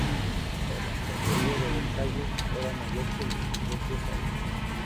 El atractivo de Versalles era mayor que el de su propio país.